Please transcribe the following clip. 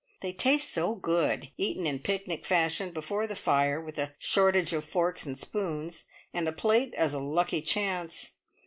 They taste so good, eaten in picnic fashion before the fire, with a shortage of forks and spoons, and a plate as a lucky chance.